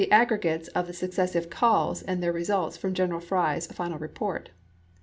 aggregates of the successive calls and their results from General Fry's final report.